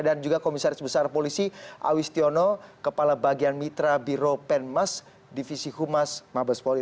dan juga komisaris besar polisi awistiono kepala bagian mitra biro penmas divisi humas mabes poli